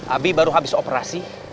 abi baru habis operasi